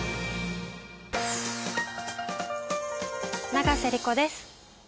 永瀬莉子です。